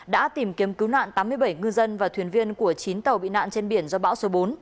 đã tìm kiếm cứu nạn tám mươi bảy ngư dân và thuyền viên của chín tàu bị nạn trên biển do bão số bốn